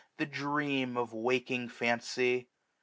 The dream of waking fancy